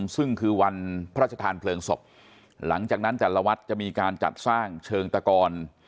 ซึ่งคือวันพระราชทานเพลิงศพหลังจากนั้นแต่ละวัดจะมีการจัดสร้างเชิงตะกร